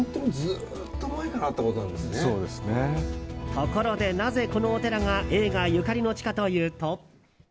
ところで、なぜこのお寺が映画ゆかりの地かというと。